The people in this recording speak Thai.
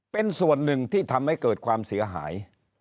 เป็นส่วนหนึ่งที่ทำให้เกิดความเสียหาย